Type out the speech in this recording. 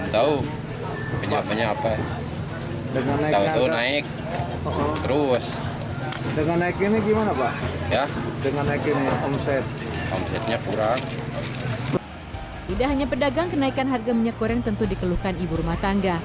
tidak hanya pedagang kenaikan harga minyak goreng tentu dikeluhkan ibu rumah tangga